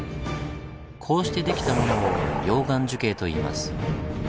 こうしてできたものを「溶岩樹型」といいます。